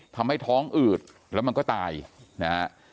ทำให้ท้องอืดแล้วมันก็ตายนะฮะ